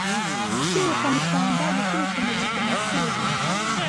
Kwirukana ishyamba gukubita umurizo mu cyuho